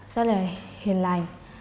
rất là hiền lành